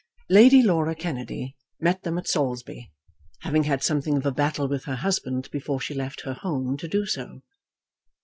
Lady Laura Kennedy met them at Saulsby, having had something of a battle with her husband before she left her home to do so.